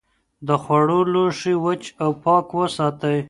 د خوړو لوښي وچ او پاک وساتئ.